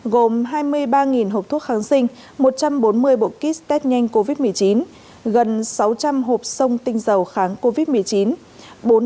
gồm hai mươi ba hộp thuốc kháng sinh một trăm bốn mươi bộ kit test nhanh covid một mươi chín gần sáu trăm linh hộp sông tinh dầu kháng covid một mươi chín